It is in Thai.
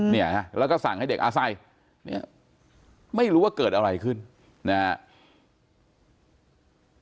เนี่ยฮะแล้วก็สั่งให้เด็กอาศัยเนี่ยไม่รู้ว่าเกิดอะไรขึ้นนะฮะ